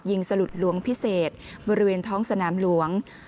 สลุดหลวงพิเศษบริเวณท้องสนามหลวง